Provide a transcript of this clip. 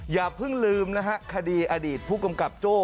อย่าเพิ่งลืมนะฮะคดีอดีตผู้กำกับโจ้